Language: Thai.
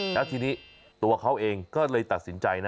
แล้วทีนี้ตัวเขาเองก็เลยตัดสินใจนะ